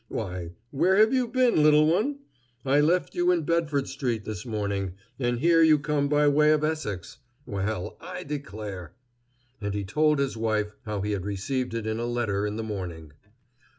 Why, where have you been, little one? I left you in Bedford street this morning, and here you come by way of Essex. Well, I declare!" And he told his wife how he had received it in a letter in the morning.